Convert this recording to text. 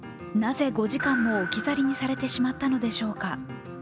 なぜ５時間も置き去りにされてしまったのでしょうか。